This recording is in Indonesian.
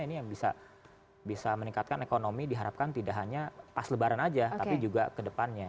ini yang bisa meningkatkan ekonomi diharapkan tidak hanya pas lebaran aja tapi juga kedepannya